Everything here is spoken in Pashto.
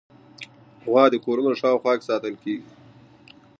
غوا د کورونو شاوخوا کې ساتل کېږي.